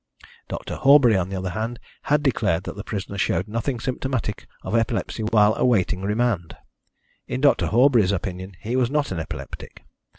Dr. Horbury, on the other hand, had declared that the prisoner showed nothing symptomatic of epilepsy while awaiting remand. In Dr. Horbury's opinion, he was not an epileptic.